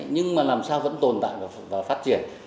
nhưng mà làm sao vẫn tồn tại và phát triển